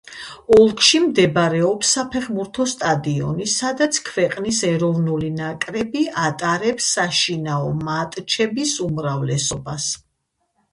ოლქში მდებარეობს საფეხბურთო სტადიონი, სადაც ქვეყნის ეროვნული ნაკრები ატარებს საშინაო მატჩების უმრავლესობას.